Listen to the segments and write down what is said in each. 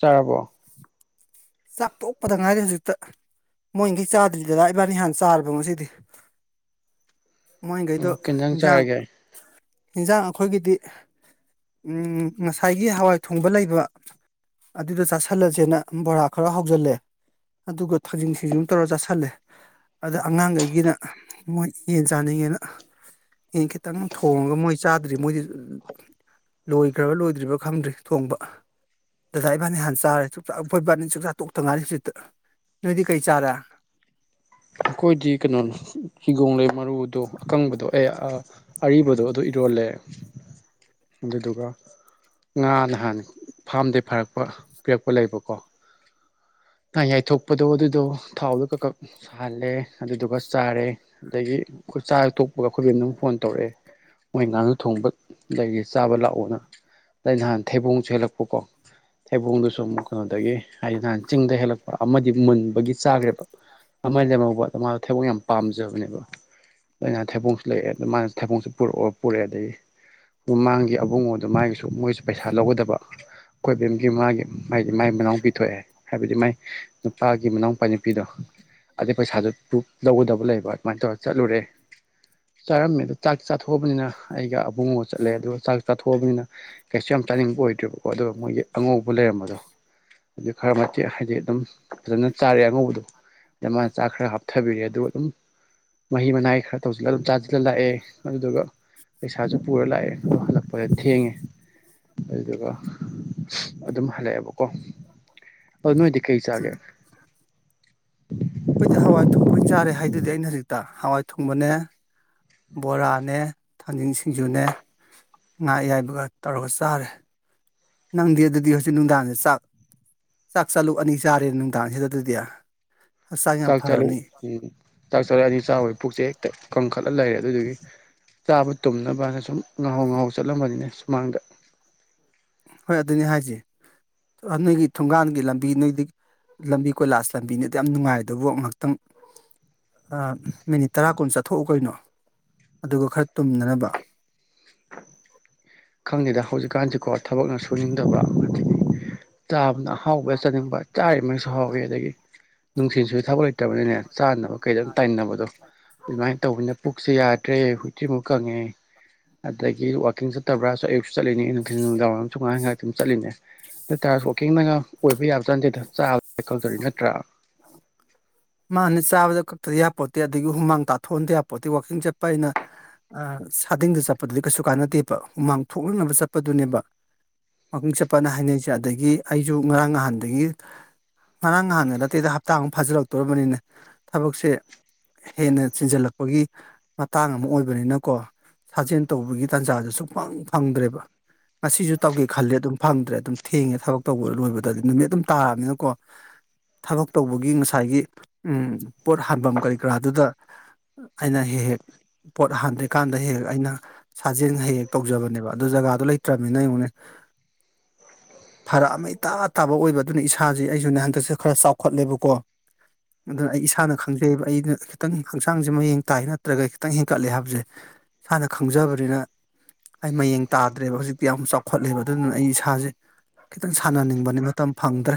ꯆꯥꯔꯕꯣ ꯆꯥꯛ ꯇꯣꯛꯄꯗ ꯉꯥꯏꯔꯤ ꯍꯧꯖꯤꯛꯇ ꯃꯣꯏꯒꯤ ꯆꯥꯗ꯭ꯔꯤ ꯗꯗꯥ ꯏꯕꯥꯅꯤ ꯍꯥꯟ ꯆꯥꯔꯕ ꯉꯁꯤꯗꯤ ꯃꯣꯏꯒꯩꯗꯣ ꯑꯣ ꯀꯦꯟꯖꯥꯡ ꯍꯤꯟꯖꯥꯡ ꯆꯥꯔꯒꯦ ꯍꯤꯟꯖꯥꯡ ꯑꯩꯈꯣꯏꯒꯤꯗꯤ ꯎꯝ ꯉꯁꯥꯏꯒꯤ ꯍꯋꯥꯏ ꯊꯣꯡꯕ ꯂꯩꯕ ꯑꯗꯨꯗ ꯆꯥꯥꯁꯜꯂꯁꯦꯅ ꯕꯣꯔꯥ ꯈꯔ ꯍꯧꯖꯜꯂꯦ ꯑꯗꯨꯒ ꯊꯥꯡꯖꯤꯡ ꯁꯤꯡꯖꯨ ꯑꯝ ꯇꯧꯔꯒ ꯆꯥꯥꯁꯜꯂꯦ ꯑꯗ ꯑꯉꯥꯡꯒꯩꯒꯤꯅ ꯃꯣꯏ ꯌꯦꯟ ꯆꯥꯅꯤꯡꯉꯦꯅ ꯌꯦꯟ ꯈꯤꯠꯇꯪ ꯊꯣꯡꯉꯒ ꯃꯣꯏ ꯆꯥꯗ꯭ꯔꯤ ꯃꯣꯏꯗꯤ ꯂꯣꯏꯈ꯭ꯔꯕ ꯂꯣꯏꯗ꯭ꯔꯤꯕ꯭ꯔꯥ ꯈꯪꯗ꯭ꯔꯤ ꯊꯣꯡꯕ ꯗꯗꯥ ꯏꯕꯥꯅꯤ ꯍꯥꯟꯅ ꯆꯥꯔꯦ ꯌꯩꯈꯣꯏꯕꯥꯅꯤ ꯆꯥꯛꯆꯥꯥ ꯇꯣꯛꯇ ꯉꯥꯏꯔꯤ ꯍꯧꯖꯤꯛꯇ ꯅꯣꯏꯗꯤ ꯀꯩ ꯆꯥꯔꯦ ꯑꯩꯈꯣꯏꯗꯤ ꯀꯩꯅꯣ ꯅꯦ ꯍꯤꯒꯣꯡ ꯂꯩ ꯃꯔꯨꯗꯣ ꯑꯀꯪꯕꯗꯣ ꯑꯦ ꯑꯥ ꯑꯔꯤꯕꯗꯣ ꯑꯗꯨ ꯏꯔꯣꯜꯂꯦ ꯑꯗꯨꯗꯨꯒ ꯉꯥ ꯅꯍꯥꯟ ꯐꯥꯝꯗꯩ ꯐꯥꯔꯛꯄ ꯄꯤꯔꯛꯄ ꯂꯩꯕꯀꯣ ꯉꯥ ꯌꯥꯏꯊꯣꯛꯄꯗꯣ ꯑꯗꯨꯗꯣ ꯊꯥꯎꯗ ꯀꯛꯀꯛ ꯍꯜꯂꯦ ꯑꯗꯨꯗꯨꯒ ꯆꯥꯔꯦ ꯑꯗꯒꯤ ꯑꯩꯈꯣꯏ ꯆꯥꯛ ꯍꯦꯛ ꯇꯣꯛꯄꯒ ꯑꯩꯈꯣꯏꯒꯤ ꯑꯗꯨꯝ ꯐꯣꯟ ꯇꯧꯔꯛꯑꯦ ꯃꯣꯏ ꯉꯥꯅꯨ ꯊꯣꯡꯕ ꯂꯩꯌꯦ ꯆꯥꯕ ꯂꯥꯛꯑꯣꯅ ꯑꯩ ꯅꯍꯥꯟ ꯊꯩꯕꯣꯡꯁꯨ ꯍꯦꯛꯂꯛꯄꯀꯣ ꯊꯩꯕꯣꯡꯗꯨ ꯁꯨꯝ ꯀꯩꯅꯣꯗꯒꯤ ꯑꯧ ꯅꯍꯥꯟ ꯆꯤꯡꯗ ꯍꯦꯜꯂꯛꯄ ꯑꯃꯗꯤ ꯃꯨꯟꯕꯒꯤ ꯆꯥꯔꯦꯕ ꯂꯦꯝꯍꯧꯕ ꯃꯥꯗꯣ ꯊꯩꯕꯣꯛ ꯌꯥꯝ ꯄꯥꯝꯖꯕꯅꯦꯕ ꯑꯩꯅꯥ ꯊꯩꯕꯣꯡꯁꯨ ꯂꯩꯑꯦ ꯑꯗ ꯃꯥꯅ ꯊꯩꯕꯣꯡꯁꯨ ꯄꯨꯔꯛꯑꯣ ꯄꯨꯔꯛꯑꯦ ꯑꯗꯩ ꯍꯃꯥꯡꯒꯤ ꯑꯕꯨꯡꯉꯣ ꯑꯗ ꯃꯥꯒꯤꯁꯨ ꯃꯣꯏꯁꯨ ꯄꯩꯁꯥ ꯂꯧꯒꯗꯕ ꯑꯩꯈꯣꯏꯕꯦꯝꯒꯤ ꯃꯥꯒꯤ ꯃꯥꯒꯤ ꯃꯥꯏ ꯃꯅꯥꯎꯄꯤ ꯊꯣꯛꯑꯦ ꯍꯥꯏꯕꯗꯤ ꯃꯥꯏ ꯅꯨꯄꯥꯒꯤ ꯃꯅꯥꯎꯄꯥ ꯅꯨꯄꯤꯗꯣ ꯑꯗꯩ ꯄꯩꯁꯥꯁꯨ ꯄꯨ ꯂꯧꯒꯗꯕ ꯂꯩꯕ ꯑꯗꯨꯃꯥꯏꯅ ꯇꯧꯔꯒ ꯆꯠꯂꯨꯔꯦ ꯆꯥꯔꯝꯃꯦ ꯑꯗꯨ ꯆꯥꯛ ꯆꯥꯊꯣꯛꯑꯕꯅꯤꯅ ꯑꯩꯒ ꯑꯕꯨꯡꯉꯣ ꯆꯠꯂꯦ ꯑꯗꯨꯒ ꯆꯥꯛ ꯆꯥꯊꯣꯛꯑꯕꯅꯤꯅ ꯀꯩꯁꯨ ꯌꯥꯝ ꯆꯥꯅꯤꯡꯕ ꯑꯣꯏꯗ꯭ꯔꯦꯕꯀꯣ ꯑꯗꯨꯒ ꯃꯣꯏꯒꯤ ꯑꯉꯧꯕ ꯂꯩꯔꯝꯕꯗꯣ ꯑꯗꯩ ꯈꯔ ꯃꯆꯦꯠ ꯍꯥꯏꯗꯤ ꯑꯗꯨꯝ ꯐꯖꯅ ꯆꯥꯔꯦ ꯑꯉꯧꯕꯗꯣ ꯗ ꯃꯥꯥ ꯆꯥꯛ ꯈꯔ ꯍꯥꯞꯊꯕꯤꯔꯦ ꯑꯗꯨꯒ ꯑꯗꯨꯝ ꯃꯍꯤ ꯃꯅꯥꯏ ꯈꯔ ꯇꯧꯁꯤꯜꯂ ꯑꯗꯨꯝ ꯆꯥꯁꯤꯜꯂ ꯂꯥꯛꯑꯦ ꯑꯗꯨꯗꯨꯒ ꯄꯩꯁꯥꯁꯨ ꯄꯨꯔ ꯂꯥꯛꯑꯦ ꯍꯜꯂꯛꯄꯗ ꯊꯦꯡꯉꯦ ꯑꯗꯨꯗꯨꯒ ꯑꯗꯨꯝ ꯍꯜꯂꯛꯑꯦꯕꯀꯣ ꯑ ꯅꯣꯏꯗꯤ ꯀꯩ ꯆꯥꯒꯦ ꯑꯩꯈꯣꯏꯗꯤ ꯍꯋꯥꯏ ꯊꯣꯡꯕꯣꯏ ꯑꯣꯏꯅ ꯆꯥꯔꯦ ꯍꯥꯏꯗꯨꯗꯤ ꯑꯩꯅ ꯍꯧꯖꯤꯛꯇ ꯍꯋꯥꯏ ꯊꯣꯡꯕꯅꯦ ꯕꯣꯔꯥꯅꯦ ꯊꯥꯡꯖꯤꯟ ꯁꯤꯡꯖꯨꯅꯦ ꯉꯥ ꯑꯌꯥꯏꯕꯒ ꯇꯧꯔꯒ ꯆꯥꯔꯦ ꯅꯪꯗꯤ ꯑꯗꯨꯗꯤ ꯍꯧꯖꯤꯛ ꯅꯨꯡꯗꯥꯡꯁꯦ ꯆꯥꯛ ꯆꯥꯛ ꯆꯥꯛꯂꯨꯛ ꯑꯅꯤ ꯆꯥꯔꯦ ꯅꯨꯡꯗꯥꯡꯁꯤꯗ ꯑꯗꯨꯗꯤ ꯍꯛꯆꯥꯡ ꯌꯥꯝ ꯆꯥꯛ ꯆꯥꯂꯨꯛ ꯐꯔꯅꯤ ꯎꯝ ꯆꯥꯛ ꯆꯥꯔꯗꯤ ꯆꯥꯔꯨꯔꯦ ꯄꯨꯛꯁꯦ ꯍꯦꯛꯇ ꯀꯪꯈꯠꯂꯒ ꯂꯩꯔꯦ ꯑꯗꯨꯗꯨꯒꯤ ꯆꯥꯕ ꯇꯨꯝꯅꯕ ꯍꯥꯏꯅ ꯁꯨꯝ ꯉꯥꯍꯥꯎ ꯉꯥꯍꯥꯎ ꯆꯠꯂꯝꯕꯅꯤꯅꯦ ꯁꯨꯃꯥꯡꯗ ꯍꯣꯏ ꯑꯗꯨꯅꯦ ꯍꯥꯏꯁꯦ ꯅꯣꯏꯒꯤ ꯊꯣꯡꯒꯥꯟꯒꯤ ꯂꯝꯕꯤ ꯅꯣꯏꯗꯤ ꯂꯝꯕꯤ ꯀꯣꯏꯂꯥꯁ ꯂꯝꯕꯤꯅꯤꯗꯨ ꯌꯥꯝ ꯅꯨꯡꯉꯥꯏꯗꯕꯨ ꯉꯥꯏꯍꯥꯛꯇꯪ ꯃꯤꯅꯤꯠ ꯇꯔꯥ ꯀꯨꯟ ꯆꯠꯊꯣꯛꯎ ꯀꯩꯅꯣ ꯑꯗꯨꯒ ꯈꯔ ꯇꯨꯝꯅꯅꯕ ꯈꯪꯗꯦꯗ ꯍꯧꯖꯤꯛꯀꯥꯟꯁꯤꯀꯣ ꯊꯕꯛꯅ ꯁꯨꯅꯤꯡꯗꯕ ꯆꯥꯕꯅ ꯍꯥꯎꯕ ꯆꯥꯅꯤꯡꯕ ꯆꯥꯔꯤꯕꯃꯩꯁꯨ ꯍꯥꯎꯋꯤ ꯑꯗꯒꯤ ꯅꯨꯡꯊꯤꯟꯁꯨ ꯊꯥꯕꯛ ꯂꯩꯇꯕꯅꯤꯅꯦ ꯆꯥꯅꯕ ꯀꯩꯗꯝ ꯇꯥꯏꯅꯕꯗꯣ ꯑꯗꯨꯃꯥꯏꯅ ꯇꯧꯕꯅꯤꯅ ꯄꯨꯛꯁꯦ ꯌꯥꯗ꯭ꯔꯦ ꯍꯨꯏ ꯇ꯭ꯔꯤꯃꯨꯛ ꯀꯪꯉꯦ ꯑꯗꯒꯤ ꯋꯥꯀꯤꯡ ꯆꯠꯇꯕ꯭ꯔꯥꯁꯨ ꯑꯌꯨꯛꯁꯨ ꯆꯠꯂꯤꯅꯦ ꯅꯨꯡꯊꯤꯟ ꯅꯨꯡꯗꯥꯡ ꯋꯥꯔꯝ ꯁꯨ ꯉꯥꯏꯍꯥꯛ ꯉꯥꯏꯍꯥꯛ ꯑꯗꯨꯝ ꯆꯠꯂꯤꯅꯦ ꯑꯗꯨ ꯇꯔꯁꯨ ꯋꯥꯋꯥꯛꯀꯤꯡꯅꯒ ꯑꯣꯏꯕ ꯌꯥꯕꯖꯥꯠ ꯅꯠꯇꯦꯗ ꯆꯥꯕ [unintelligible] ꯅꯠꯇ꯭ꯔꯥ ꯃꯥꯅꯦ ꯆꯥꯕꯗ ꯀꯛꯇꯗꯤ ꯌꯥꯄꯣꯠꯇꯦ ꯑꯗꯒꯤ ꯍꯨꯃꯥꯡ ꯇꯥꯊꯣꯛꯍꯟꯗꯌꯥꯄꯣꯠꯇꯦ ꯋꯥꯛꯀꯤꯡ ꯆꯠꯄ ꯍꯥꯏꯁꯤꯅ ꯑ ꯁꯥꯗꯤꯡꯗ ꯆꯠꯄꯗꯨꯗꯤ ꯀꯩꯁꯨ ꯀꯥꯟꯅꯗꯦꯕ ꯍꯨꯃꯥꯡ ꯊꯣꯛꯅꯅꯕ ꯆꯠꯄꯗꯨꯅꯦꯕ ꯋꯥꯛꯀꯤꯡ ꯆꯠꯄꯅ ꯍꯥꯏꯅꯩꯁꯦ ꯑꯗꯒꯤ ꯑꯩꯁꯨ ꯉꯔꯥꯡ ꯅꯍꯥꯟꯗꯒꯤ ꯉꯔꯥꯡ ꯅꯍꯥꯟꯗ ꯅꯠꯇꯦꯗ ꯍꯞꯇꯥ ꯑꯃ ꯐꯥꯖꯤꯜꯂꯛꯇꯣꯔꯕꯅꯤꯅꯦ ꯊꯕꯛꯁꯦ ꯍꯦꯟꯅ ꯆꯤꯟꯖꯜꯂꯛꯄꯒꯤ ꯃꯇꯥꯡ ꯑꯃ ꯑꯣꯏꯕꯅꯤꯅꯀꯣ ꯁꯥꯖꯦꯜ ꯇꯧꯕꯒꯤ ꯇꯥꯟꯖꯥꯗꯨ ꯁꯨꯛꯐꯪ ꯐꯪꯗ꯭ꯔꯦꯕ ꯉꯁꯤꯁꯨ ꯇꯧꯒꯦ ꯈꯜꯂꯦ ꯑꯗꯨꯝ ꯐꯪꯗ꯭ꯔꯦ ꯑꯗꯨꯝ ꯊꯦꯡꯉꯦ ꯊꯕꯛ ꯇꯧꯕ ꯂꯣꯏꯕꯗꯗꯤ ꯅꯨꯃꯤꯠ ꯑꯗꯨꯝ ꯇꯥꯔꯕꯅꯤꯅꯀꯣ ꯊꯕꯛ ꯇꯧꯕꯒꯤ ꯉꯁꯥꯏꯒꯤ ꯎꯝ ꯄꯣꯠ ꯍꯥꯟꯐꯝ ꯀꯔꯤ ꯀꯔꯥꯗꯨꯗ ꯑꯩꯅ ꯍꯦꯛ ꯍꯦꯛ ꯄꯣꯠ ꯍꯟꯗ꯭ꯔꯤꯀꯥꯟꯗ ꯍꯦꯛ ꯍꯦꯛ ꯑꯩꯅ ꯁꯥꯖꯦꯟ ꯍꯦꯛꯍꯦꯛ ꯇꯧꯖꯕꯅꯦꯕ ꯑꯗꯨ ꯖꯒꯥꯗꯣ ꯂꯩꯇ꯭ꯔꯕꯅꯤꯅ ꯌꯦꯡꯉꯣꯅꯦ ꯐꯔꯛ ꯑꯃ ꯏꯇꯥ ꯇꯥꯕ ꯑꯣꯏꯕ ꯑꯗꯨꯅ ꯏꯁꯥꯁꯦ ꯑꯩꯁꯨꯅꯦ ꯍꯟꯗꯛꯁꯦ ꯈꯔ ꯆꯥꯎꯈꯠꯂꯦꯕꯀꯣ ꯑꯗꯨꯅ ꯑꯩ ꯏꯁꯥꯅ ꯈꯪꯖꯩꯕ ꯑꯩꯅ ꯈꯤꯇꯪ ꯍꯛꯆꯥꯡꯁꯦ ꯃꯌꯦꯡ ꯇꯥꯏ ꯅꯠꯇ꯭ꯔꯒ ꯈꯤꯇꯪ ꯍꯦꯟꯀꯠꯂꯦ ꯍꯥꯏꯕꯁꯦ ꯏꯁꯥꯅ ꯈꯪꯖꯕꯅꯤꯅ ꯑꯩ ꯃꯌꯦꯡ ꯇꯥꯗ꯭ꯔꯦꯕ ꯍꯧꯖꯤꯛꯇꯤ ꯌꯥꯝ ꯆꯥꯎꯈꯠꯂꯦꯕ ꯑꯗꯨꯗꯨꯅ ꯑꯩ ꯏꯁꯥꯁꯦ ꯈꯤꯇꯪ ꯁꯥꯟꯅꯅꯤꯡꯕꯅꯦ ꯃꯇꯝ ꯐꯪꯗ꯭ꯔꯦ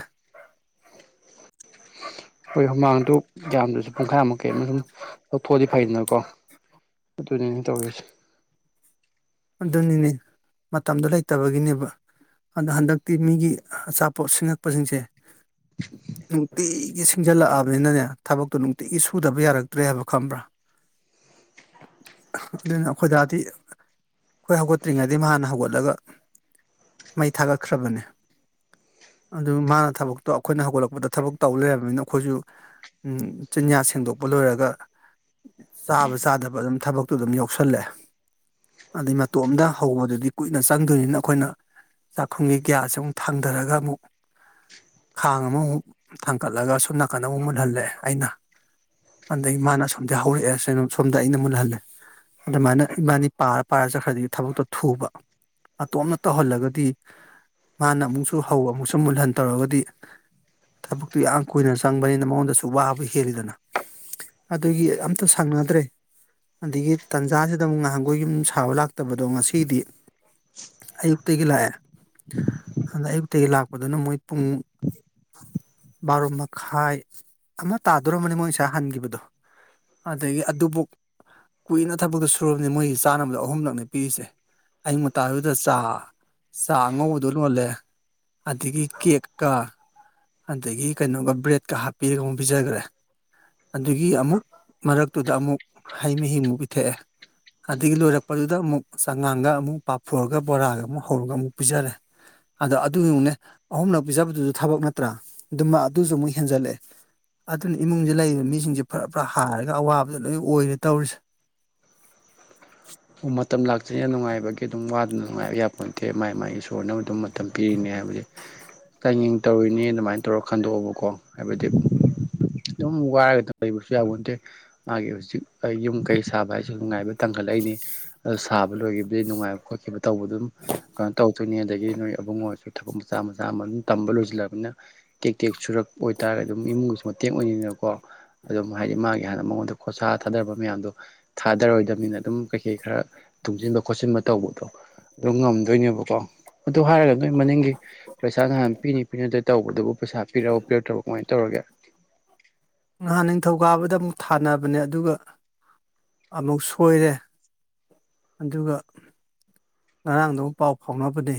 ꯍꯣꯏ ꯍꯨꯃꯥꯡꯗꯨ ꯌꯥꯝꯗ꯭ꯔꯁꯨ ꯄꯨꯡꯈꯥꯏꯃꯨꯛ ꯀꯩ ꯑꯃ ꯁꯨꯝ ꯂꯧꯊꯣꯛꯑꯗꯤ ꯐꯩꯗꯅꯀꯣ ꯑꯗꯨꯅꯦ ꯑꯩꯅ ꯇꯧꯔꯤꯁꯦ ꯑꯗꯨꯅꯤꯅꯦ ꯃꯇꯝꯗꯣ ꯂꯩꯇꯕꯒꯤꯅꯦꯕ ꯑꯗꯣ ꯍꯟꯗꯛꯇꯤ ꯃꯤꯒꯤ ꯑꯆꯥꯄꯣꯠ ꯁꯤꯡꯉꯛꯄꯁꯤꯡꯁꯦ ꯅꯨꯡꯇꯤꯒꯤ ꯁꯤꯡꯖꯜꯂꯛꯑꯕꯅꯤꯅꯅꯦ ꯊꯕꯛꯇꯣ ꯅꯨꯡꯇꯤꯒꯤ ꯁꯨꯗꯕ ꯌꯥꯔꯛꯇ꯭ꯔꯦ ꯍꯥꯏꯕ ꯈꯪꯕ꯭ꯔꯥ ꯈꯪꯗꯦꯅꯦ ꯑꯩꯈꯣꯏꯗꯥꯗꯤ ꯑꯩꯈꯣꯏ ꯍꯧꯒꯠꯇ꯭ꯔꯤꯉꯩꯗꯩ ꯃꯥ ꯍꯥꯟꯅ ꯍꯧꯒꯠꯂꯒ ꯃꯩ ꯊꯥꯒꯠꯈ꯭ꯔꯕꯅꯦ ꯑꯗꯨ ꯃꯥꯅ ꯊꯕꯛꯇꯣ ꯑꯩꯈꯣꯏꯅ ꯍꯧꯒꯠꯂꯛꯄꯗ ꯊꯕꯛ ꯇꯧ ꯂꯩꯔꯕꯅꯤꯅ ꯑꯩꯈꯣꯏꯁꯨ ꯑꯝ ꯆꯤꯟꯌꯥ ꯁꯦꯡꯗꯣꯛꯄ ꯂꯣꯏꯔꯒ ꯆꯥꯕ ꯆꯥꯗꯕ ꯑꯗꯨꯝ ꯊꯕꯛꯇꯣ ꯑꯗꯨꯝ ꯌꯥꯎꯁꯜꯂꯦ ꯑꯗꯩ ꯃꯇꯣꯝꯗ ꯍꯧꯕꯗꯗꯤ ꯀꯨꯏꯅ ꯆꯪꯗꯣꯏꯅꯤꯅ ꯑꯩꯈꯣꯏꯅ ꯆꯥꯛꯈꯨꯝꯒꯤ ꯒ꯭ꯌꯥꯁ ꯑꯃꯨꯛ ꯊꯥꯡꯗꯔꯒ ꯑꯃꯨꯛ ꯈꯥꯡ ꯑꯃꯃꯨꯛ ꯊꯥꯡꯀꯠꯂꯒ ꯁꯣꯝ ꯅꯥꯀꯟ ꯑꯃꯨꯛ ꯃꯨꯠꯍꯜꯂꯦ ꯑꯩꯅ ꯑꯗꯩ ꯃꯥꯅ ꯑꯁꯣꯝꯗꯩ ꯍꯧꯔꯛꯑꯦ ꯁꯦꯝꯕ ꯁꯣꯝꯗ ꯑꯩꯅ ꯃꯨꯜꯍꯜꯂꯦ ꯑꯗꯨꯃꯥꯏꯅ ꯏꯕꯥꯅꯤ ꯄꯥꯔꯥ ꯄꯥꯔ ꯆꯠꯈ꯭ꯔꯗꯤ ꯊꯕꯛꯇꯣ ꯊꯨꯕ ꯃꯇꯣꯝꯅ ꯇꯧꯍꯜꯂꯒꯗꯤ ꯃꯥꯅ ꯑꯃꯨꯛꯁꯨ ꯍꯧ ꯑꯃꯨꯛꯁꯨ ꯃꯨꯜꯍꯟ ꯇꯧꯔꯒꯗꯤ ꯊꯕꯛꯇꯨ ꯌꯥꯝ ꯀꯨꯏꯅ ꯆꯪꯕꯅꯤꯅ ꯃꯉꯣꯟꯗꯁꯨ ꯋꯥꯕ ꯍꯦꯜꯂꯤꯗꯅ ꯑꯗꯨꯒꯤ ꯑꯝꯇ ꯁꯪꯅꯗ꯭ꯔꯦ ꯑꯗꯒꯤ ꯇꯥꯟꯖꯥꯖꯤꯗ ꯑꯃꯨꯛ ꯅꯍꯥꯟꯒꯣꯏ ꯌꯨꯝ ꯁꯥ ꯁꯥꯕ ꯂꯥꯛꯇꯕꯗꯣ ꯉꯁꯤꯗꯤ ꯑꯌꯨꯛꯇꯒꯤ ꯂꯥꯛꯑꯦ ꯑꯗ ꯑꯌꯨꯛꯇꯒꯤ ꯂꯥꯛꯄꯗꯨꯅ ꯃꯣꯏ ꯄꯨꯡ ꯕꯥꯔꯣ ꯃꯈꯥꯏ ꯑꯃ ꯇꯥꯗꯣꯔꯝꯃꯅꯤ ꯃꯣꯏ ꯉꯁꯥꯏ ꯍꯟꯒꯤꯕꯗꯣ ꯑꯗꯒꯤ ꯑꯗꯨꯕꯨꯛ ꯀꯨꯏꯅ ꯊꯕꯛꯇꯨ ꯁꯨꯔꯕꯅꯤ ꯃꯣꯏꯒꯤ ꯆꯥꯅꯕꯗꯨ ꯑ ꯑꯍꯨꯝꯂꯛꯅꯦ ꯄꯤꯔꯤꯁꯦ ꯑꯌꯨꯛ ꯉꯟꯇꯥꯗꯨꯗ ꯆꯥ ꯆꯥ ꯑꯉꯧꯕꯗꯣ ꯂꯣꯜꯂꯦ ꯑꯗꯒꯤ ꯀꯦꯛꯀ ꯑꯗꯒꯤ ꯀꯩꯅꯣꯒ ꯕ꯭ꯔꯦꯗꯀ ꯍꯥꯞꯄꯤꯔꯒ ꯑꯃꯨꯛ ꯄꯤꯖꯒ꯭ꯔꯦ ꯑꯗꯨꯒꯤ ꯑꯃꯨꯛ ꯃꯔꯛꯇꯨꯗ ꯑꯃꯨꯛ ꯍꯩ ꯃꯍꯤꯃꯨꯛ ꯄꯤꯊꯛꯑꯦ ꯑꯗꯒꯤ ꯂꯣꯏꯔꯛꯄꯗꯨꯗ ꯑꯃꯨꯛ ꯆꯉꯥꯡꯒ ꯑꯃꯨꯛ ꯄꯥꯞꯐꯣꯔꯒ ꯕꯣꯔꯥꯒ ꯑꯃꯨꯛ ꯍꯧꯔꯒ ꯑꯃꯨꯛ ꯄꯤꯖꯔꯦ ꯑꯗ ꯑꯗꯨ ꯌꯦꯡꯉꯨꯅꯦ ꯑꯍꯨꯝꯂꯛ ꯄꯤꯖꯕꯗꯨꯁꯨ ꯊꯕꯛ ꯅꯠꯇ꯭ꯔꯥ ꯑꯗꯨꯃ ꯑꯗꯨꯁꯨ ꯑꯃꯨꯛ ꯍꯦꯟꯖꯜꯂꯛꯑꯦ ꯑꯗꯨꯅ ꯏꯃꯨꯡꯖꯤꯗ ꯂꯩꯔꯤꯕ ꯃꯤꯁꯤꯡꯖꯦ ꯐ꯭ꯔꯥ ꯐ꯭ꯔꯥ ꯍꯥꯢꯔꯒ ꯑꯋꯥꯕꯗ ꯂꯣꯏꯟ ꯑꯣꯏꯔꯦ ꯇꯧꯔꯤꯁꯤ ꯑꯣ ꯃꯇꯝ ꯂꯥꯛꯇꯣꯢꯅꯦ ꯅꯨꯡꯉꯥꯏꯕꯒꯤ ꯑꯗꯨꯝ ꯋꯥꯗꯅ ꯅꯨꯡꯉꯥꯏꯕ ꯌꯥꯄꯣꯟꯇꯦ ꯃꯥꯏ ꯃꯥꯏ ꯏꯁꯣꯔꯅ ꯑꯗꯨꯝ ꯃꯇ ꯇꯝ ꯄꯤꯔꯤꯅꯦ ꯍꯥꯏꯕꯗꯤ ꯆꯥꯡꯌꯦꯡ ꯇꯧꯔꯤꯅꯦ ꯑꯗꯨꯃꯥꯏꯟ ꯇꯧꯔ ꯈꯟꯗꯣꯛꯑꯣꯕꯀꯣ ꯍꯥꯏꯕꯗꯤ ꯑꯗꯨꯝ ꯋꯥꯔꯒꯗ ꯂꯩꯕꯁꯨ ꯌꯥꯄꯣꯟꯇꯦ ꯃꯥꯒꯤ ꯍꯧꯖꯤꯛ ꯑꯩ ꯌꯨꯝ ꯀꯩ ꯁꯥꯕ ꯍꯥꯏꯁꯤ ꯅꯨꯡꯉꯥꯏꯕ ꯇꯥꯟꯈꯠꯂꯛꯏꯅꯤ ꯁꯥꯕ ꯂꯣꯏꯒꯤꯕꯗꯩ ꯅꯨꯡꯉꯥꯏꯕ ꯈꯣꯠꯈꯤꯕ ꯇꯧꯕꯗ ꯑꯗꯨꯝ ꯀꯩꯅꯣ ꯇꯧꯗꯣꯏꯅꯤ ꯑꯗꯒꯤ ꯅꯣꯏ ꯑꯕꯨꯡꯉꯣꯁꯨ ꯊꯕꯛ ꯃꯆꯥ ꯆꯥ ꯃꯆꯥ ꯑꯃ ꯑꯗꯨꯝ ꯇꯝꯕ ꯂꯣꯏꯁꯤꯜꯂꯕꯅꯤꯅ ꯇꯦꯛ ꯇꯦꯛ ꯁꯨꯔꯛꯄ ꯑꯣꯏꯇꯥꯔꯒꯗꯤ ꯑꯗꯨꯝ ꯏꯃꯨꯡꯒꯤꯁꯨ ꯃꯇꯦꯡ ꯑꯣꯏꯅꯩꯗꯅꯀꯣ ꯑꯗꯨꯝ ꯍꯥꯏꯗꯤ ꯃꯥꯒꯤ ꯍꯥꯟꯅ ꯃꯉꯣꯟꯗ ꯈꯣꯔꯁꯥ ꯊꯥꯗꯕ ꯃꯌꯥꯝꯗꯣ ꯊꯥꯗꯔꯔꯣꯏꯗꯕꯅꯤꯅ ꯑꯗꯨꯝ ꯀꯩꯀꯩ ꯈꯔ ꯊꯨꯡꯖꯤꯟꯕ ꯈꯣꯠꯆꯤꯟꯕ ꯇꯧꯕꯗꯣ ꯑꯗꯨ ꯉꯝꯗꯣꯏꯅꯦꯕꯀꯣ ꯑꯗꯨ ꯍꯥꯏꯔꯒ ꯅꯣꯏ ꯃꯅꯤꯡꯒꯤ ꯄꯩꯁꯥ ꯅꯍꯥꯟ ꯄꯤꯅꯤ ꯄꯤꯅꯗꯦ ꯇꯧꯕꯗꯨꯕꯨ ꯄꯩꯁꯥ ꯄꯤꯔꯛꯑꯕꯣ ꯄꯤꯔꯛꯇ꯭ꯔꯕꯣ ꯀꯃꯥꯏ ꯇꯧꯔꯒꯦ ꯅꯍꯥꯟ ꯅꯤꯡꯊꯧꯀꯥꯕꯗ ꯑꯃꯨꯛ ꯊꯥꯅꯕꯅꯦ ꯑꯗꯨꯒ ꯑꯃꯨꯛ ꯁꯣꯏꯔꯦ ꯑꯗꯨꯒ ꯉꯔꯥꯡꯗꯨ ꯄꯥꯎ ꯐꯥꯎꯅꯕꯅꯦ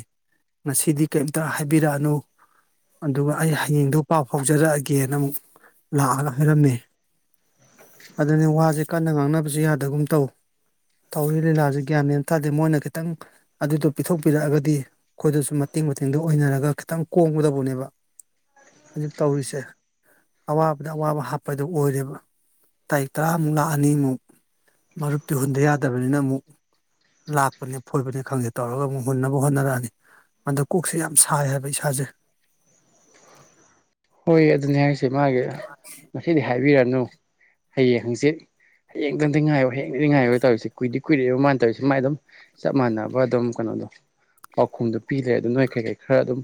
ꯉꯁꯤꯗꯤ ꯀꯩꯝꯇ ꯍꯥꯏꯕꯤꯔꯛꯑꯅꯨ ꯑꯗꯨꯒ ꯑꯩ ꯍꯌꯦꯡꯗꯣ ꯄꯥꯎ ꯐꯥꯎꯖꯔꯛꯑꯒꯦꯅ ꯑꯃꯨꯛ ꯂꯥꯛꯑꯒ ꯍꯥꯏꯔꯝꯃꯦ ꯑꯗꯨꯅꯦ ꯋꯥꯖꯤ ꯀꯟꯅ ꯉꯥꯡꯅꯕꯁꯨ ꯌꯥꯗꯒꯨꯝ ꯇꯧ ꯇꯧꯔꯤ ꯂꯤꯂꯥꯁꯖꯦ ꯒ꯭ꯌꯥꯟꯃꯦꯟ ꯊꯥꯗꯦ ꯃꯣꯏꯅ ꯈꯤꯇꯪ ꯑꯗꯨꯗꯣ ꯄꯤꯊꯣꯛ ꯄꯤꯔꯛ ꯑꯒꯗꯤ ꯑꯈꯣꯏꯗꯁꯨ ꯃꯇꯦꯡ ꯃꯇꯦꯡꯗꯣ ꯑꯣꯏꯅꯔꯒ ꯈꯤꯇꯪ ꯀꯣꯝꯒꯗꯧꯕꯅꯦꯕ ꯍꯧꯖꯤꯛ ꯇꯧꯔꯤꯁꯦ ꯑꯋꯥꯕꯗ ꯑꯋꯥꯕ ꯍꯥꯞꯄꯗꯨ ꯑꯣꯏꯔꯦꯕ ꯇꯥꯔꯤꯛ ꯇꯔꯥꯃꯨꯛ ꯂꯥꯛꯑꯅꯤ ꯃꯨꯛ ꯃꯔꯨꯞꯇꯤ ꯍꯨꯟꯗ ꯌꯥꯗꯕꯅꯤꯅ ꯑꯃꯨꯛ ꯂꯥꯛꯄꯅꯦ ꯐꯣꯢꯕꯅꯦ ꯈꯪꯗꯦ ꯇꯧꯔꯒ ꯑꯃꯨꯛ ꯍꯨꯟꯅꯕ ꯍꯣꯠꯅꯔꯛꯑꯅꯤ ꯑꯗ ꯀꯣꯛꯁꯦ ꯌꯥꯝ ꯁꯥꯏ ꯍꯥꯏꯕ ꯏꯁꯥꯖꯦ ꯍꯣꯏ ꯑꯗꯨꯅꯤ ꯍꯥꯏꯔꯤꯁꯦ ꯃꯥꯒꯤ ꯉꯁꯤꯗꯤ ꯍꯥꯏꯕꯤꯔꯅꯨ ꯍꯌꯦꯡ ꯍꯪꯆꯤꯠ ꯍꯌꯦꯡꯇꯪꯗꯤ ꯉꯥꯏꯌꯣ ꯍꯡꯗꯤꯇꯪꯗꯤ ꯉꯥꯏꯌꯣ ꯇꯧꯔꯤꯁꯤ ꯀꯨꯏꯗꯤ ꯀꯨꯏꯔꯦꯕ ꯃꯥꯟ ꯇꯧꯔꯤꯁꯤ ꯃꯥꯏ ꯑꯗꯨꯝ ꯆꯞ ꯃꯥꯟꯅꯕ ꯑꯗꯨꯝ ꯀꯅꯣꯗꯣ ꯄꯥꯎꯈꯨꯝꯗꯨ ꯄꯤ ꯂꯩꯔꯦ ꯑꯗꯨ ꯅꯣꯏ ꯀꯩꯀꯩ ꯈꯔ ꯑꯗꯨꯝ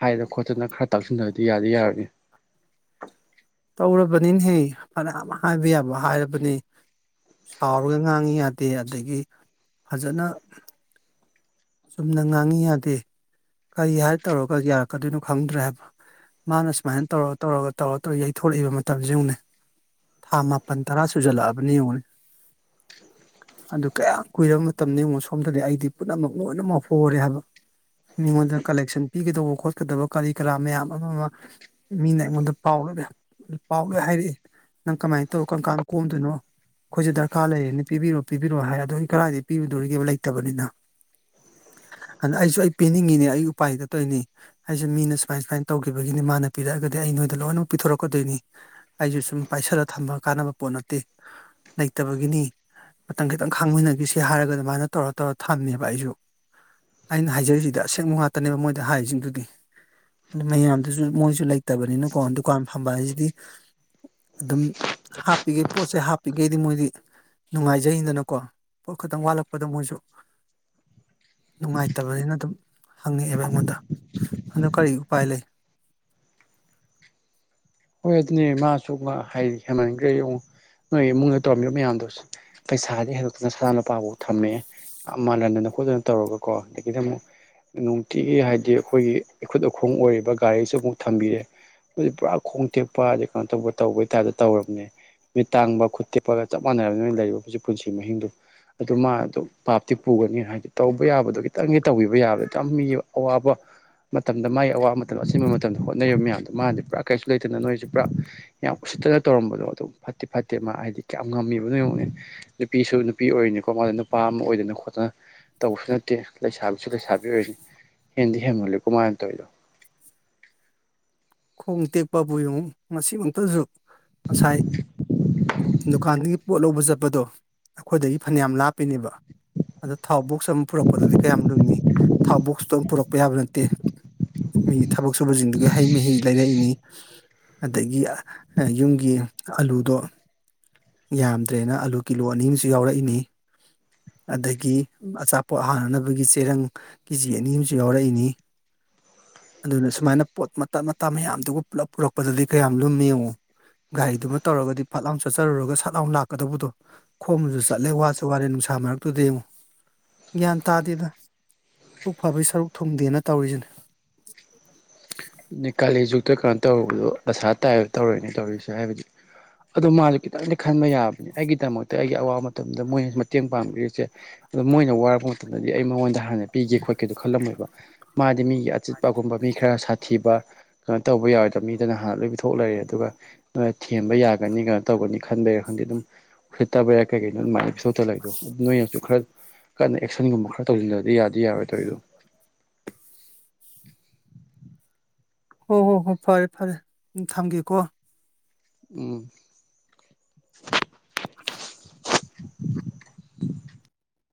ꯍꯥꯏꯗꯅ ꯈꯣꯠꯇꯅ ꯈꯔ ꯇꯥꯛꯁꯤꯟꯗꯗꯤ ꯌꯥꯗꯤ ꯌꯥꯔꯣꯏ [unintelligible] ꯇꯧꯔꯕꯅꯤꯅꯦꯍꯦ ꯐꯅ ꯍꯥꯏꯕ ꯌꯥꯕ ꯍꯥꯏꯔꯕꯅꯦ ꯁꯥꯎꯔꯒ ꯉꯥꯡꯉꯤ ꯌꯥꯗꯦ ꯑꯗꯒꯤ ꯐꯖꯅ ꯆꯨꯝꯅ ꯉꯥꯡꯉꯤ ꯌꯥꯗꯦ ꯀꯔꯤ ꯍꯥꯏ ꯇꯧꯔꯒ ꯌꯥꯔꯛꯀꯗꯣꯏꯅꯣ ꯈꯪꯗ꯭ꯔꯦ ꯍꯥꯏꯕ ꯃꯥꯅ ꯁꯨꯃꯥꯏꯟ ꯇꯧꯔ ꯇꯧꯔꯒ ꯇꯧꯔ ꯇꯧꯔ ꯌꯩꯊꯣꯔꯛꯏꯕ ꯃꯇꯝꯁꯤ ꯌꯦꯡꯉꯨꯅꯦ ꯊꯥ ꯃꯥꯄꯜ ꯇꯔꯥ ꯁꯨꯖꯜꯂꯛꯑꯕꯅꯦ ꯌꯦꯡꯉꯨꯅꯦ ꯑꯗꯨ ꯀꯌꯥꯝ ꯀꯨꯏꯔꯕ ꯃꯇꯝꯅꯣ ꯌꯦꯡꯉꯣ ꯁꯣꯝꯗꯗꯤ ꯑꯩꯗꯤ ꯄꯨꯝꯅꯃꯛ ꯂꯣꯏꯅꯃꯛ ꯍꯣꯔꯦ ꯍꯥꯏꯕ ꯃꯤꯉꯣꯟꯗ ꯀꯂꯦꯛꯁꯟ ꯄꯤꯒꯗꯧꯕ ꯈꯣꯠꯀꯗꯕ ꯀꯔꯤ ꯀꯔꯥ ꯃꯌꯥꯝ ꯑꯃ ꯑꯃ ꯃꯤꯅ ꯑꯩꯉꯣꯟꯗ ꯄꯥꯎ ꯄꯥꯎꯂꯣꯏ ꯍꯥꯏꯔꯛꯏ ꯅꯪ ꯀꯃꯥꯏꯅ ꯇꯧ ꯀꯝꯀꯥꯟ ꯀꯣꯝꯗꯣꯏꯅꯣ ꯑꯩꯈꯣꯏꯁꯨ ꯗꯔꯀꯥꯔ ꯂꯩꯔꯦꯅꯦꯅ ꯄꯤꯕꯤꯔꯣ ꯄꯤꯕꯤꯔꯣ ꯍꯥꯏ ꯑꯗꯒꯤ ꯀꯗꯥꯏꯗ ꯄꯤꯕꯗꯣꯔꯤꯒꯦꯕ ꯂꯩꯇꯕꯅꯤꯅ ꯑꯗ ꯑꯩꯁꯨ ꯑꯩ ꯄꯤꯅꯤꯡꯉꯤꯅꯦ ꯑꯩ ꯎꯄꯥꯏ ꯂꯩꯇ ꯇꯧꯔꯤꯅꯦ ꯑꯩꯁꯨ ꯃꯤꯅ ꯁꯨꯃꯥꯏꯟ ꯁꯨꯃꯥꯏꯟ ꯇꯧꯈꯤꯕꯒꯤꯅꯤ ꯃꯥꯅ ꯄꯤꯔꯛꯑꯒꯗꯤ ꯑꯩ ꯅꯣꯏꯗ ꯂꯣꯏꯅꯃꯛ ꯄꯤꯊꯣꯔꯛꯀꯗꯣꯏꯅꯤ ꯑꯩꯁꯨ ꯁꯨꯝ ꯄꯥꯏꯁꯜꯂꯒ ꯊꯝꯕ ꯀꯥꯟꯅꯕ ꯄꯣꯠ ꯅꯠꯇꯦ ꯂꯩꯇꯕꯒꯤꯅꯤ ꯃꯇꯝ ꯈꯤꯇꯪ ꯈꯥꯡꯃꯤꯟꯅꯈꯤꯁꯤ ꯍꯥꯏꯔꯒ ꯑꯗꯨꯃꯥꯏꯅ ꯇꯧꯔ ꯇꯧꯔ ꯊꯝꯃꯦꯕ ꯑꯩꯁꯨ ꯑꯩꯅ ꯍꯥꯏꯖꯔꯤꯁꯤꯗꯤ ꯑꯁꯦꯡꯕ ꯉꯥꯛꯇꯅꯦꯕ ꯃꯣꯏꯗ ꯍꯥꯏꯔꯤꯁꯤꯡꯗꯨꯗꯤ ꯃꯌꯥꯝꯗꯨꯁꯨ ꯃꯣꯏꯁꯨ ꯂꯩꯇꯕꯅꯤꯅꯀꯣ ꯗꯨꯀꯥꯟ ꯐꯝꯕ ꯍꯥꯏꯁꯤꯗꯤ ꯑꯗꯨꯝ ꯍꯥꯞꯄꯤꯈꯩ ꯄꯣꯠꯁꯦ ꯍꯥꯞꯄꯤꯈꯩꯗꯤ ꯃꯣꯏꯗꯤ ꯅꯨꯡꯉꯥꯏꯖꯩꯗꯅꯀꯣ ꯄꯣꯠ ꯈꯛꯇꯪ ꯋꯥꯠꯂꯛꯄꯗ ꯃꯣꯏꯁꯨ ꯅꯨꯡꯉꯥꯏꯇꯕꯅꯤꯅ ꯑꯗꯨꯝ ꯍꯪꯉꯛꯑꯦꯕ ꯑꯩꯉꯣꯟꯗ ꯑꯗꯣ ꯀꯔꯤ ꯎꯄꯥꯏ ꯂꯩ ꯍꯣꯏ ꯑꯗꯨꯅꯦ ꯃꯥꯁꯨ ꯍꯥꯏ ꯍꯦꯟꯃꯟꯈ꯭ꯔꯦ ꯌꯦꯡꯉꯣ ꯅꯣꯏ ꯏꯃꯨꯡꯗ ꯇꯧꯔꯝꯃꯤꯕ ꯃꯌꯥꯝꯗꯨ ꯄꯩꯁꯥꯗꯤ ꯍꯩꯗꯣꯛꯇꯅ ꯁꯅꯥ ꯂꯨꯄꯥꯐꯥꯎ ꯊꯝꯃꯑꯦ ꯌꯥꯝ ꯃꯥꯜꯍꯟꯗꯅ ꯈꯣꯠꯇꯅ ꯇꯧꯔꯒꯀꯣ ꯑꯗꯒꯤꯗꯤ ꯑꯃꯨꯛ ꯅꯨꯡꯇꯤꯒꯤ ꯍꯥꯏꯗꯤ ꯑꯩꯈꯣꯏꯒꯤ ꯏꯈꯨꯠ ꯑꯈꯣꯡ ꯑꯣꯏꯔꯤꯕ ꯒꯥꯔꯤꯁꯨ ꯑꯃꯨꯛ ꯊꯝꯕꯤꯔꯦ ꯑꯗꯨ ꯄꯨꯔꯥ ꯈꯣꯡ ꯇꯦꯛꯄ ꯑꯗꯩ ꯀꯩꯅꯣ ꯇꯧꯕ ꯇꯧꯕꯩ ꯇꯥꯏꯞꯇ ꯇꯧꯔꯕꯅꯦ ꯃꯤꯠ ꯇꯥꯡꯕ ꯈꯨꯠ ꯇꯦꯛꯞꯄꯒ ꯆꯞ ꯃꯥꯟꯅꯔꯕꯅꯤ ꯅꯣꯏ ꯂꯩꯔꯤꯕ ꯍꯧꯖꯤꯛ ꯄꯨꯟꯁꯤ ꯃꯍꯤꯡꯗꯨ ꯑꯗꯨ ꯃꯥ ꯑꯗꯣ ꯄꯥꯞꯇꯤ ꯄꯨꯒꯅꯤ ꯍꯥꯏꯗꯤ ꯇꯧꯕ ꯌꯥꯕꯗꯣ ꯈꯤꯇꯪꯒꯤ ꯇꯧꯕꯤꯕ ꯌꯥꯕꯗꯣ ꯑꯗꯨꯌꯥꯝ ꯃꯤꯒꯤ ꯑꯋꯥꯕ ꯃꯇꯝꯗ ꯃꯒꯤ ꯑꯋꯥꯕ ꯃꯇꯝ ꯑꯁꯤꯟꯕ ꯃꯇꯝꯗ ꯍꯣꯠꯅꯔꯤꯕ ꯃꯌꯥꯝꯗꯣ ꯃꯥꯅꯗꯤ ꯄꯨꯔꯥ ꯀꯔꯤꯁꯨ ꯂꯩ ꯐꯠꯇꯅ ꯅꯣꯏꯁꯨ ꯄꯨꯔꯥ ꯌꯥꯝ ꯎꯁꯤꯠꯇꯅ ꯇꯧꯔꯝꯕꯗꯣ ꯑꯗꯨꯝ ꯐꯠꯇꯤ ꯐꯠꯇꯦ ꯃꯥ ꯍꯥꯏꯗꯤ ꯀꯌꯥꯝ ꯉꯝꯃꯤꯕꯅꯣ ꯌꯦꯡꯉꯨꯅꯦ ꯅꯨꯄꯤꯁꯨ ꯅꯨꯄꯤ ꯑꯣꯏꯔꯤꯅꯤꯀꯣ ꯃꯥꯗ ꯅꯨꯄꯥ ꯑꯃ ꯑꯣꯏꯗꯅ ꯈꯣꯠꯇꯅ ꯇꯧꯕꯁꯨ ꯅꯠꯇꯦ ꯂꯩꯁꯥꯕꯤꯁꯨ ꯂꯩꯁꯥꯕꯤ ꯑꯣꯏꯅꯤ ꯍꯦꯟꯗꯤ ꯍꯦꯟꯃꯜꯂꯤ ꯀꯃꯥꯏꯅ ꯇꯧꯔꯤꯅꯣ ꯈꯣꯡ ꯇꯦꯛꯄꯕꯨ ꯌꯦꯉꯨ ꯉꯁꯤꯃꯛꯇꯁꯨ ꯉꯁꯥꯏ ꯗꯨꯀꯥꯟꯗꯒꯤ ꯄꯣꯠ ꯂꯧꯕ ꯆꯠꯄꯗꯣ ꯑꯩꯈꯣꯏꯗꯒꯤ ꯐꯅꯌꯥꯝ ꯂꯥꯞꯄꯤꯅꯦꯕ ꯑꯗ ꯊꯥꯎ ꯕꯣꯛꯁ ꯑꯃ ꯄꯨꯔꯛꯄꯗꯗꯤ ꯀꯌꯥꯝ ꯂꯨꯝꯃꯤ ꯊꯥꯎ ꯕꯣꯛꯁꯇꯣ ꯄꯨꯔꯛꯄ ꯌꯥꯕ ꯅꯠꯇꯦ ꯃꯤꯒꯤ ꯊꯕꯛ ꯁꯨꯕꯁꯤꯡꯗꯨꯒꯤ ꯍꯩ ꯃꯍꯤ ꯂꯩꯔꯛꯏꯅꯤ ꯑꯗꯒꯤ ꯌꯨꯝꯒꯤ ꯑꯂꯨꯗꯣ ꯌꯥꯝꯗ꯭ꯔꯦꯅ ꯑꯂꯨ ꯀꯤꯂꯣ ꯑꯅꯤ ꯑꯃꯁꯨ ꯌꯥꯎꯔꯛꯏꯅꯤ ꯑꯗꯒꯤ ꯑꯆꯥꯄꯣꯠ ꯍꯥꯟꯅꯅꯕꯒꯤ ꯆꯦꯔꯪ ꯀꯦ ꯖꯤ ꯑꯅꯤ ꯑꯃꯁꯨ ꯌꯥꯎꯔꯛꯏꯅꯤ ꯑꯗꯨꯅ ꯁꯨꯃꯥꯏꯅ ꯄꯣꯠ ꯃꯇꯥꯠ ꯃꯇ ꯃꯌꯥꯝꯗꯨꯒ ꯄꯨꯂꯞ ꯄꯨꯔꯛꯄꯗꯗꯤ ꯀꯌꯥꯝ ꯂꯨꯝ ꯌꯦꯡꯉꯣ ꯒꯥꯔꯤꯗꯨꯃ ꯇꯧꯔꯒꯗꯤ ꯐꯠꯂꯥꯎ ꯆꯠ ꯆꯠꯔꯨꯔꯒ ꯁꯥꯠ ꯂꯥꯎꯟ ꯂꯥꯛꯀꯗꯧꯕꯗꯣ ꯈꯣꯝꯅꯁꯨ ꯆꯠꯂꯦ ꯋꯥꯁꯨ ꯋꯥꯔꯦ ꯅꯨꯡꯁꯥ ꯃꯔꯛꯇꯨꯗ ꯌꯦꯡꯉꯨ ꯒ꯭ꯌꯥꯟ ꯇꯥꯗꯦꯗ ꯄꯨꯛ ꯐꯕꯩ ꯁꯔꯨꯛ ꯊꯨꯡꯗꯦꯅ ꯇꯧꯔꯤꯁꯤꯅꯦ ꯀꯥꯂꯤ ꯑꯖꯨꯛꯇ ꯀꯩꯅꯣ ꯇꯧꯔꯨꯕꯗꯣ ꯗꯥꯁꯥ ꯇꯥꯏ ꯇꯧꯔꯦꯅꯦ ꯇꯧꯔꯤꯁꯦ ꯍꯥꯏꯕꯗꯤ ꯑꯗꯣ ꯃꯥꯁꯨ ꯈꯤꯇꯪꯗꯤ ꯈꯟꯕ ꯌꯥꯕꯅꯤ ꯑꯩꯒꯤꯗꯃꯛꯇ ꯑꯩꯒꯤ ꯑꯋꯥꯕ ꯃꯇꯝꯗ ꯃꯣꯏꯅ ꯃꯇꯦꯡ ꯄꯥꯡꯕꯤꯔꯤꯁꯦ ꯑ ꯃꯣꯏꯅ ꯋꯥꯔꯛꯄ ꯃꯇꯝꯗꯗꯤ ꯑꯩ ꯃꯉꯣꯟꯗ ꯍꯥꯟꯅ ꯄꯤꯒꯦ ꯈꯣꯠꯀꯦꯗꯣ ꯈꯜꯂꯝꯂꯣꯏꯕ ꯃꯥꯗꯤ ꯃꯤꯒꯤ ꯑꯆꯤꯛꯄꯒꯨꯝꯕ ꯃꯤ ꯈꯔ ꯁꯥꯊꯤꯕ ꯀꯩꯅꯣ ꯇꯧꯕ ꯌꯥꯎꯋꯣꯏꯗꯕ ꯃꯤꯗꯅ ꯍꯥꯟꯅ ꯂꯣꯏ ꯊꯣꯛ ꯂꯩꯔꯦ ꯑꯗꯨꯒ ꯅꯣꯏ ꯊꯦꯝꯕ ꯌꯥꯒꯅꯤ ꯀꯩꯅꯣ ꯇꯧꯒꯅꯤ ꯈꯟꯕꯩꯔ ꯈꯪꯗꯦ ꯑꯗꯨꯝ ꯐꯠꯇꯕ ꯌꯥꯏ ꯀꯩ ꯀꯩꯅꯣ ꯑꯗꯨꯃꯥꯏꯅ ꯄꯊꯣꯇ ꯂꯩꯏꯗꯣ ꯅꯣꯏꯅꯁꯨ ꯈꯔ [unintelligible] ꯀꯟꯅ ꯑꯦꯛꯁꯟꯒꯨꯝꯕ ꯈꯔ ꯇꯧꯁꯤꯟꯗ꯭ꯔꯗꯤ ꯌꯥꯗꯤ ꯌꯥꯔꯣꯏ ꯇꯧꯔꯤꯗꯣ ꯍꯣ ꯍꯣ ꯍꯣ ꯐꯔꯦ ꯐꯔꯦ ꯎꯝ ꯊꯝꯒꯦꯀꯣ ꯎꯝ